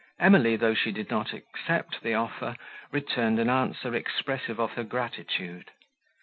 Emily, though she did not accept the offer, returned an answer expressive of her gratitude.